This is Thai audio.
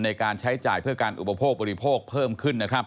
ในการใช้จ่ายเพื่อการอุปโภคบริโภคเพิ่มขึ้นนะครับ